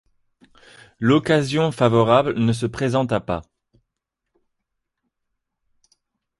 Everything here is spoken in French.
L’occasion favorable ne se présenta pas.